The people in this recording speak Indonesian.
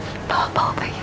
jangan lupa handphone gak